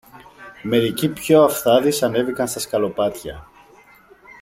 Μερικοί πιο αυθάδεις ανέβηκαν στα σκαλοπάτια